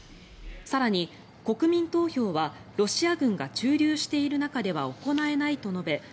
更に国民投票はロシア軍が駐留している中では行えないと述べ